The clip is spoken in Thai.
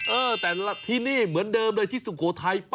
เออแต่ละที่นี่เหมือนเดิมเลยที่สุโขทัย